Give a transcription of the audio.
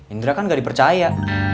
indra kan nggak dipercaya